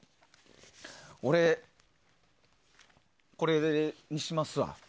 俺、これにしますわ。